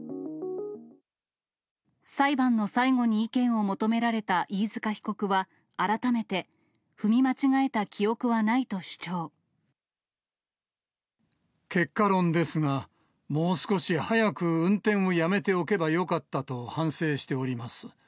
裁判の最後に意見を求められた飯塚被告は、改めて、結果論ですが、もう少し早く運転をやめておけばよかったと、反省しております。